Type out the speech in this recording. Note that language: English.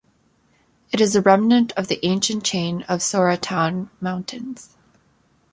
It is a remnant of the ancient chain of Sauratown Mountains.